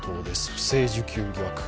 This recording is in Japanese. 不正受給疑惑。